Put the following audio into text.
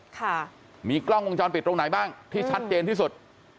ค่ะมีกล้องวงจรปิดตรงไหนบ้างที่ชัดเจนที่สุด